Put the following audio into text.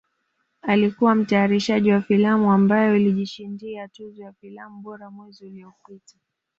Alikuwa mtayarishaji wa filamu ambayo ilijishindia tuzo ya filamu bora mwezi uliopita